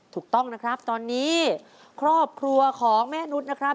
ถูกต้องนะครับตอนนี้ครอบครัวของแม่นุษย์นะครับ